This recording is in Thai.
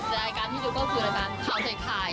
รายการที่ดูก็คือพาวใยไทย